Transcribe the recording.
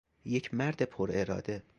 یک مرد پراراده